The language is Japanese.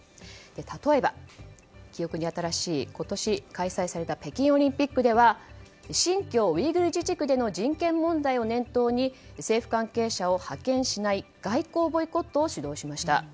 例えば、記憶に新しい今年開催された北京オリンピックでは新疆ウイグル自治区での人権問題を念頭に政府関係者を派遣しない外交ボイコットを主導しました。